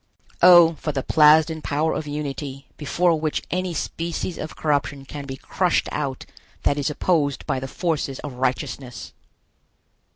O, for the Plasden power of unity, before which any species of corruption can be crushed out that is opposed by the forces of righteousness!